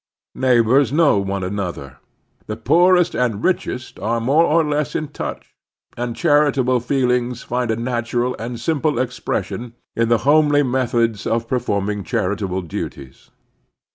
Neighbors know one another. The poorest and the richest are more or less in touch, and chari table feelings find a nattual and simple expression in the homely methods of performing charitable duties.